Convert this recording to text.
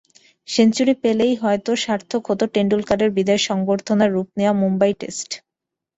Century পেলেই হয়তো সার্থক হতো টেন্ডুলকারের বিদায় সংবর্ধনায় রূপ নেওয়া মুম্বাই টেস্ট।